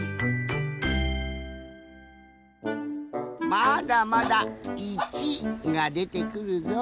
まだまだ一がでてくるぞ。